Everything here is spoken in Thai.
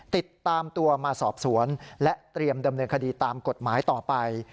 ติดตามตัวมาสอบสวนและเตรียมดำเนินคดีตามกฎหมายต่อไป